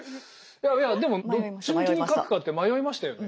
いやいやでもどっち向きに書くかって迷いましたよね。